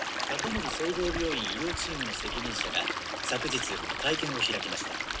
高森総合病院医療チームの責任者が昨日会見を開きました。